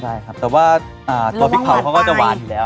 ใช่ครับแต่ว่าตัวพริกเผาเขาก็จะหวานอยู่แล้ว